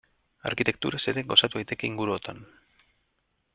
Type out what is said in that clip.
Arkitekturaz ere gozatu daiteke inguruotan.